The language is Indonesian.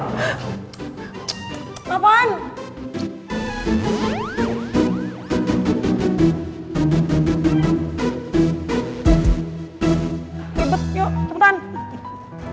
kalau pake mobil gini arbitrary deh